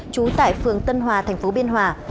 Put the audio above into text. trú tại phường tân hòa thành phố biên hòa